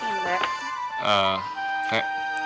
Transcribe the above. terima kasih rek